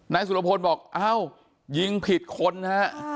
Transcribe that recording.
สุรพลบอกอ้าวยิงผิดคนฮะ